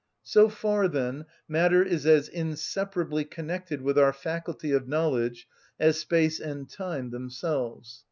So far, then, matter is as inseparably connected with our faculty of knowledge as space and time themselves.